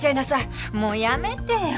もうやめてよ。